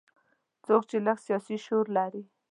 څوک چې لږ سیاسي شعور لري.